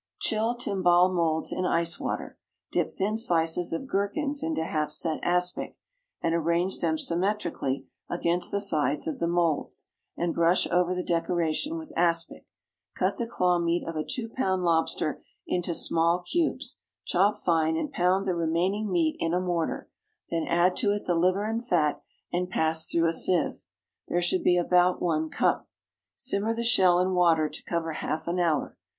= Chill timbale moulds in ice water; dip thin slices of gherkins into half set aspic, and arrange them symmetrically against the sides of the moulds, and brush over the decoration with aspic. Cut the claw meat of a two pound lobster into small cubes; chop fine, and pound the remaining meat in a mortar; then add to it the liver and fat, and pass through a sieve. There should be about one cup. Simmer the shell in water to cover half an hour.